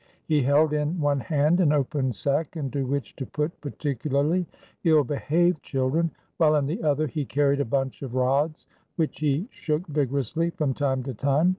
He held in one hand an open sack into which to put particularly ill behaved children, while in the other hand he carried a bunch of rods, which he shook vigorously from time to time.